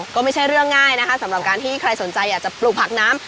ก็ไม่ใช่เรื่องง่ายนะคะสำหรับการที่ใครสนใจอยากจะปลูกผักน้ำ